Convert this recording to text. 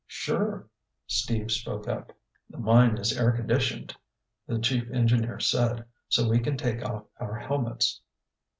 "Sure!" Steve spoke up. "The mine is air conditioned," the chief engineer said, "so we can take off our helmets."